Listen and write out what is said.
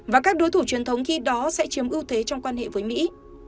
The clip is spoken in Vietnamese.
và các đối thủ truyền thống khi đó sẽ chiếm ưu thế trong quan hệ với mỹ